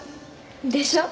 でしょ？